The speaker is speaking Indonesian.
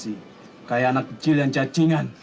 seperti anak kecil yang cacingan